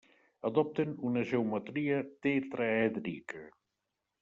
Adopten una geometria tetraèdrica.